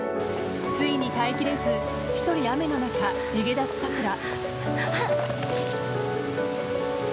ついに耐え切れず１人雨の中、逃げ出すさくら。